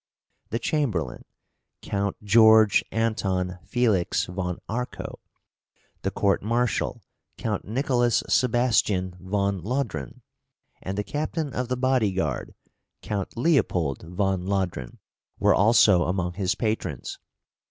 The Chamberlain, Count George Anton Felix von Arco, the Court Marshal, Count Nicolaus Sebastian von Lodron, and the Captain of the Body Guard, Count Leopold von Lodron, were also among his patrons.